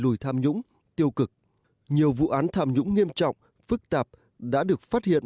lùi tham nhũng tiêu cực nhiều vụ án tham nhũng nghiêm trọng phức tạp đã được phát hiện